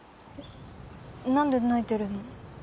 なんで泣いてるの？